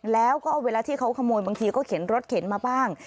แล้วก็เวลาที่เขาขโมยบางทีก็เข็นรถเข็นมาบ้าง